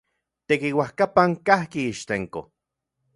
Tekiuajkapan kajki Ixtenco.